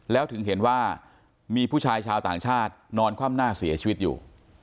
แล้วถึงเห็นว่ามีผู้ชายชาวต่างชาตินอนคว่ำหน้าเสียชีวิตอยู่